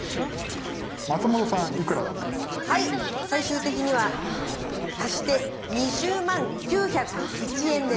最終的には足して２０万９０１円です。